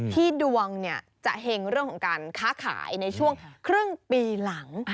ที่ดวงจะเห็งเรื่องของการค้าขายในช่วงครึ่งปีหลัง